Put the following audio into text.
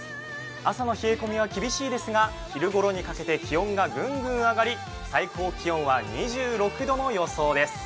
朝の冷え込みは厳しいですが昼ごろにかけて気温がぐんぐん上がり最高気温は２６度の予想です。